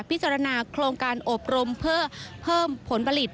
พิจารณาโครงการอบรมเพื่อเพิ่มผลผลิต